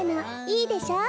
いいでしょ？